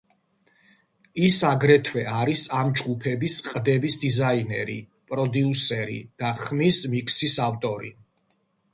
ის აგრეთვე არის ამ ჯგუფების ყდების დიზაინერი, პროდიუსერი და ხმის მიქსის ავტორი.